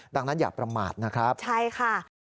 ดังนั้นอย่าประมาทนะครับใช่ค่ะ